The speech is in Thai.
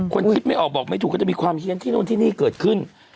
คิดไม่ออกบอกไม่ถูกก็จะมีความเฮียนที่นู่นที่นี่เกิดขึ้น